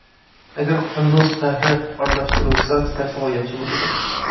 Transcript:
ئەگەر قۇندۇز قەھرى ئارىلاشتۇرۇلسا تېخىمۇ ياخشى بولىدۇ.